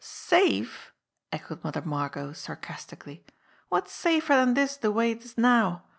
"Safe!" echoed Mother Margot sarcastically. "Wot's safer dan dis de way it is now